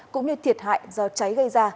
cũng như thiệt hại do cháy gây ra